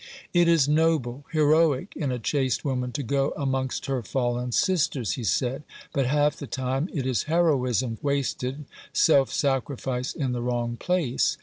"It is noble — heroic in a chaste woman to go amongst her fallen sisters," he said, "but half the time it is heroism wasted, self sacrifice in the wrong place.